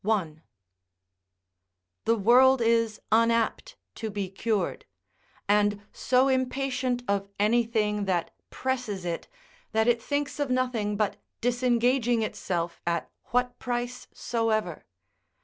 i.] The world is unapt to be cured; and so impatient of anything that presses it, that it thinks of nothing but disengaging itself at what price soever.